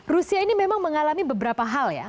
rusia ini memang mengalami beberapa hal ya